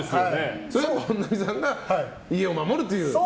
それで本並さんが家を守るという。